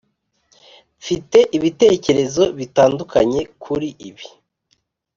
mfite ibitekerezo bitandukanye kuri ibi.